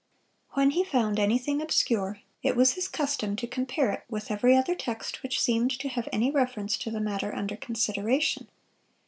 When he found anything obscure, it was his custom to compare it with every other text which seemed to have any reference to the matter under consideration.